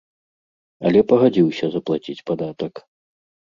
Але пагадзіўся заплаціць падатак.